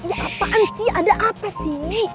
ya apaan sih ada apa sih